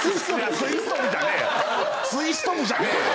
ツイスト部じゃねえよ！